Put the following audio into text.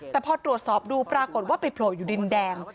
แต่พอตรวจสอบดูปรากฏว่าไปโผล่อยู่ดินแดง